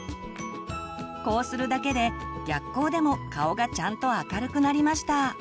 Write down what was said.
こうするだけで逆光でも顔がちゃんと明るくなりました。